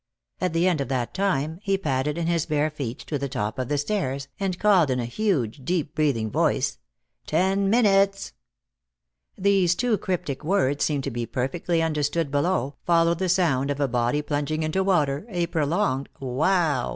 At the end of that time he padded in his bare feet to the top of the stairs and called in a huge, deep breathing voice: "Ten minutes." These two cryptic words seeming to be perfectly understood below, followed the sound of a body plunging into water, a prolonged "Wow!"